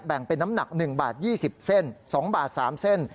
งเป็นน้ำหนัก๑บาท๒๐เส้น๒บาท๓เส้น